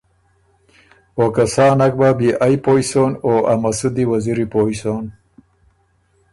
او که سا نک بَۀ بيې ائ پویٛ سون او مسُود وزیری پویٛ سون۔